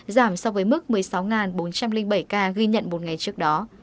giảm so với mức một mươi sáu bốn trăm linh bảy ca ghi nhận một ngày trước đó